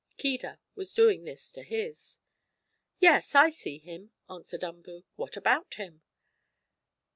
Keedah was doing this to his. "Yes, I see him," answered Umboo. "What about him?"